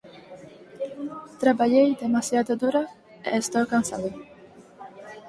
Traballei demasiado duro e estou cansado.